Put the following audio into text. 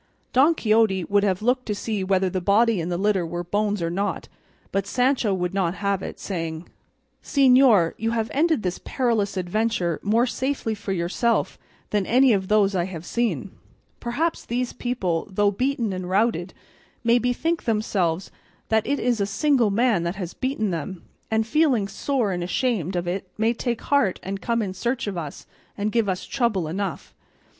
Don Quixote would have looked to see whether the body in the litter were bones or not, but Sancho would not have it, saying: "Señor, you have ended this perilous adventure more safely for yourself than any of those I have seen: perhaps these people, though beaten and routed, may bethink themselves that it is a single man that has beaten them, and feeling sore and ashamed of it may take heart and come in search of us and give us trouble enough.